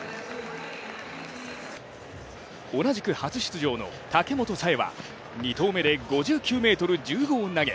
同じく初出場の武本紗栄は２投目で５９ｍ１５を投げ